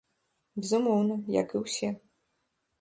Безумоўна, як і ўсе.